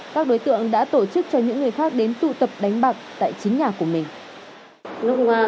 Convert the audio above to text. các đối tượng đã tổ chức cho những người khác đến tụ tập đánh bạc tại chính nhà của mình